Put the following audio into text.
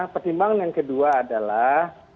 pertimbangan yang kedua adalah